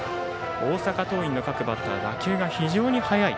大阪桐蔭の各バッター打球が非常に速い。